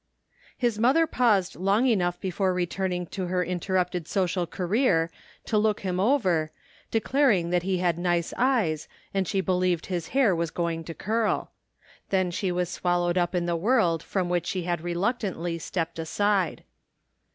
His mother paused long enough before returning to her interrupted social career to look him over, de clare that he had nice eyes and she believed his hair was going to curl ; then she was swallowed up in the world from which she had reluctantly stepped aside.